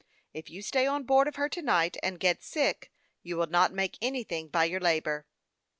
If you stay on board of her to night, and get sick, you will not make any thing by your labor."